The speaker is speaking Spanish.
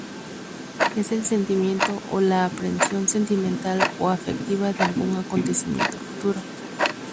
Es el sentimiento o la aprehensión sentimental o afectiva de algún acontecimiento futuro.